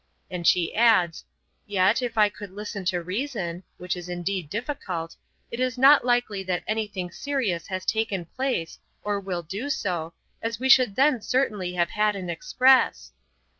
And she adds, 'yet, if I could listen to reason (which is indeed difficult), it is not likely that anything serious has taken place, or will do so, as we should then certainly have had an express.'